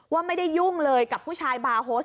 ว่าไม่ได้ยุ่งเลยกับผู้ชายบาร์โฮส